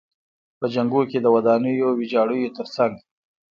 په جنګونو کې د ودانیو ویجاړیو تر څنګ.